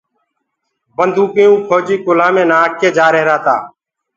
بنٚدوڪيٚئونٚ ڦوجيٚ ڪُلهآ مينٚ نآک ڪي جآريهرآ تآ